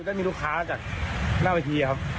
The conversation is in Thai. ก็มีลูกค้าจากหน้าเวทีครับ